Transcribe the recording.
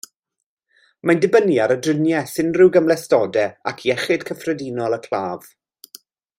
Mae'n dibynnu ar y driniaeth, unrhyw gymhlethdodau ac iechyd cyffredinol y claf.